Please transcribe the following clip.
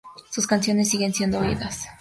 Sus canciones siguen siendo oídas.